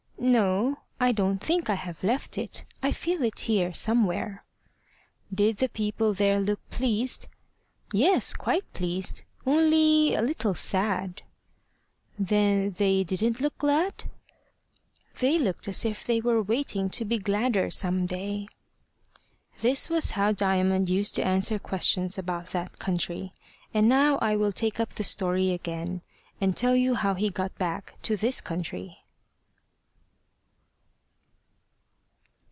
"No; I don't think I have left it; I feel it here, somewhere." "Did the people there look pleased?" "Yes quite pleased, only a little sad." "Then they didn't look glad?" "They looked as if they were waiting to be gladder some day." This was how Diamond used to answer questions about that country. And now I will take up the story again, and tell you how he got back to this country.